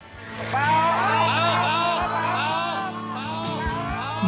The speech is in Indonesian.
pau pau pau